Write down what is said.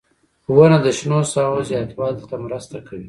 • ونه د شنو ساحو زیاتوالي ته مرسته کوي.